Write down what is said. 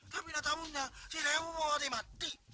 tapi nggak tahunya si reo mau mati